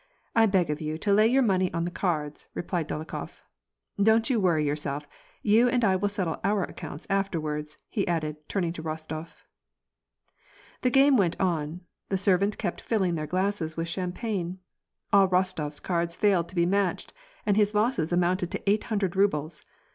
I beg of you to lay your money on the cards," re plied Dolokhof. " Don't you worry yourself, you and I will settle our accounts afterwards," he added, turning to Bostof. The game went on ; the servant kept filling their glasses with champagne. All Bostof s cards failed to be matched, and his losses amounted to eight hundred rubles.